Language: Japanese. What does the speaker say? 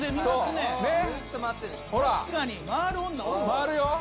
回るよ。